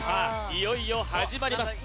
いよいよ始まります